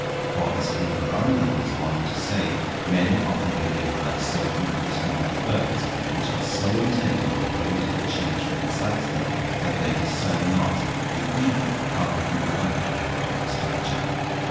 For, as King Ferrando was wont to say, men often behave like certain of the smaller birds, which are so intent on the prey to which nature incites them, that they discern not the eagle hovering overhead for their destruction.